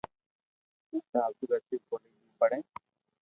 ݾاھ ابدول لتيف ڪوليج مون پڙي